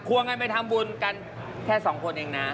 วงกันไปทำบุญกันแค่สองคนเองนะ